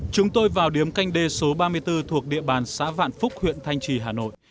chúng tôi vào điếm canh đê số ba mươi bốn thuộc địa bàn xã vạn phúc huyện thanh trì hà nội